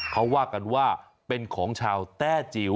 เขาว่ากันว่าเป็นของชาวแต้จิ๋ว